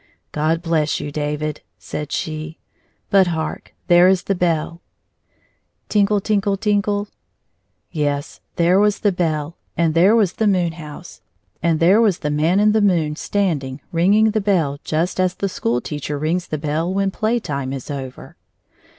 "God bless you, David," said she. " But hark ! there is the beU." Tinkle tinkle tinkle ! Yes ; there was the bell, and there was the moon house, and there was the Man in the moon standing, ringing the bell just as the school teacher rings the bell when play time is over.